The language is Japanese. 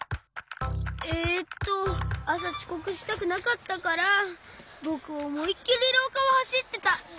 えっとあさちこくしたくなかったからぼくおもいっきりろうかをはしってた。